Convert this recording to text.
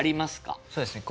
そうですね。